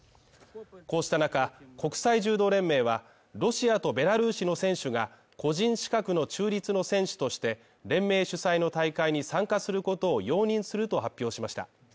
こうした中、国際柔道連盟は、ロシアとベラルーシの選手が個人資格の中立の選手として連盟主催の大会に参加することを容認すると発表しました。